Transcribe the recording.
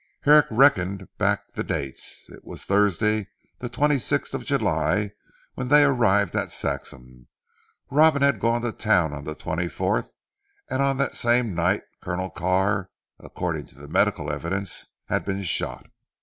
Herrick reckoned back the dates. It was Thursday the twenty sixth of July when they arrived at Saxham. Robin had gone to Town on the twenty fourth, and on that same night Colonel Carr (according to the medical evidence) had been shot.